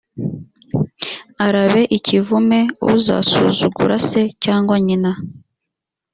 arabe ikivume uzasuzugura se cyangwa nyina